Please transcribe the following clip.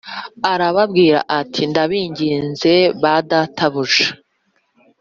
Arababwira ati “Ndabinginze ba databuja”